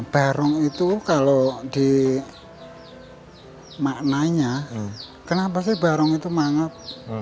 barong itu kalau di maknanya kenapa sih barong itu manget